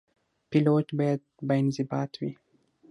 پیلوټ باید باانضباط وي.